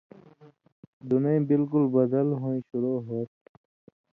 دُنَیں بالکل بدل ہُوئیں شروع ہُو تھی